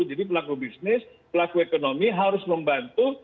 jadi pelaku bisnis pelaku ekonomi harus membantu